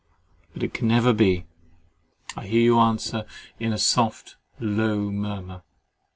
"But that can never be"—I hear you answer in a soft, low murmur.